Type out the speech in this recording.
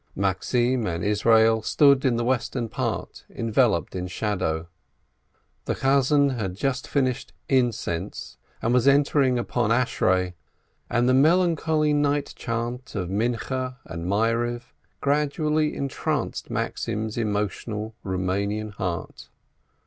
Maxim and Yisroel stood in the western part, enveloped in shadow. The Cantor had just finished "Incense," and was entering upon Ashre, and the melancholy night chant of Minchah and Maariv gradually entranced Maxim's emotional Roumanian heart.